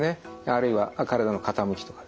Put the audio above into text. あるいは体の傾きとかですね